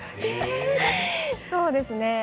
そうですね。